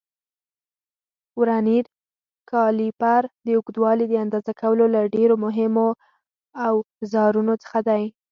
ورنیر کالیپر د اوږدوالي د اندازه کولو له ډېرو مهمو اوزارونو څخه دی.